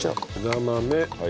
枝豆。